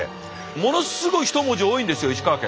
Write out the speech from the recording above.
ものすごい一文字多いんですよ石川県。